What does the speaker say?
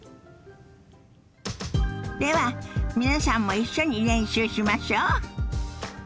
では皆さんも一緒に練習しましょ。